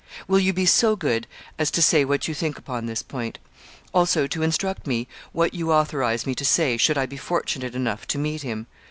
'Will you be so good as to say what you think upon this point; also, to instruct me what you authorise me to say should I be fortunate enough to meet him.